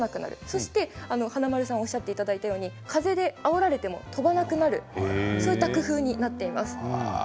そして華丸さんがおっしゃっていただいたように風であおられても飛ばなくなる、そういった工夫になっています。